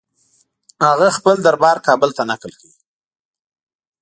هغه خپل دربار کابل ته نقل کړ.